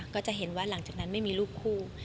ก็จะเห็นว่าหลังจากนั้นไม่มีลูกคู่